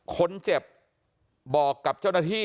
คนเจ็บบอกกับเจ้าหน้าที่